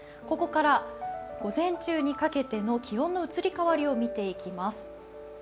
ここから午前中にかけての気温の移り変わりを見ていきます。